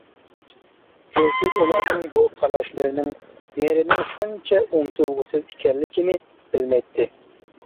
يۇلتۇز ئۇلارنىڭ بۇ قاراشلىرىنىڭ نېرىنىڭ شۇنچە ئۇنتۇلغۇسىز ئىكەنلىكىنى بىلمەيتتى.